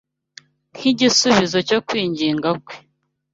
Nk’igisubizo cyo kwinginga kwe